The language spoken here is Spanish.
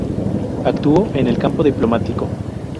Actuó en el campo diplomático.